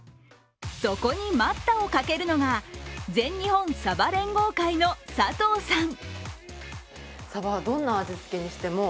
そこに待ったをかけるのが全日本さば連合会の佐藤さん。